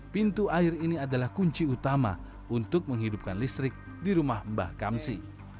pintu air ini adalah kunci utama untuk menghidupkan listrik di rumah mbah kamsi